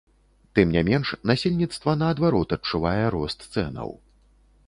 Тым не менш, насельніцтва, наадварот, адчувае рост цэнаў.